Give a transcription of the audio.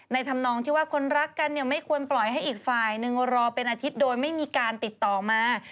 ทำนองที่ว่าคนรักกันเนี่ยไม่ควรปล่อยให้อีกฝ่ายนึงรอเป็นอาทิตย์โดยไม่มีการติดต่อมา